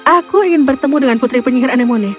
aku ingin bertemu dengan putri penyihir anemone